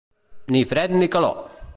Ni fred ni calor!